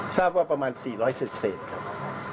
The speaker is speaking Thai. สาบว่าประมาณสี่ร้อยเศษครับ